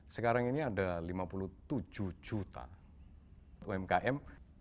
sekarang ini ada lima puluh tujuh juta umkm